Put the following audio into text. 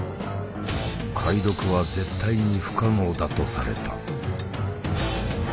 解読は絶対に不可能だとされた。